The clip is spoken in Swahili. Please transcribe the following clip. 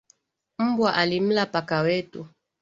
Mbwa alimla paka wetu